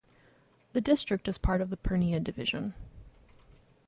The district is a part of Purnia Division.